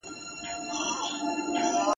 د تجلیلولو لپاره هیڅ ډول مراسم نه لري !.